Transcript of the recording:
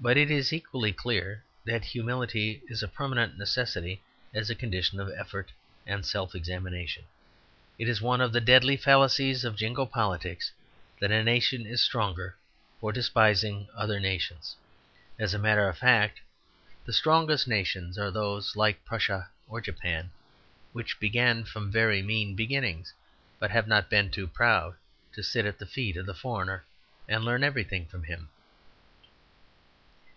But it is equally clear that humility is a permanent necessity as a condition of effort and self examination. It is one of the deadly fallacies of Jingo politics that a nation is stronger for despising other nations. As a matter of fact, the strongest nations are those, like Prussia or Japan, which began from very mean beginnings, but have not been too proud to sit at the feet of the foreigner and learn everything from him.